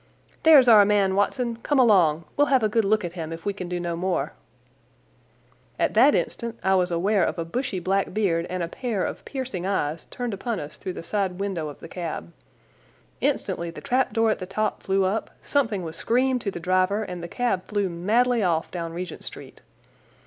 "There's our man, Watson! Come along! We'll have a good look at him, if we can do no more." At that instant I was aware of a bushy black beard and a pair of piercing eyes turned upon us through the side window of the cab. Instantly the trapdoor at the top flew up, something was screamed to the driver, and the cab flew madly off down Regent Street.